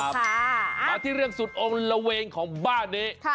มาที่เรื่องสุดองค์ระเวงของบ้านนี้